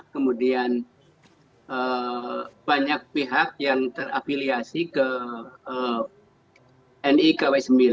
kemudian banyak pihak yang terafiliasi ke ni kw sembilan